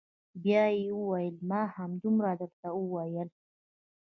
بيا يې وويل ما همدومره درته وويل.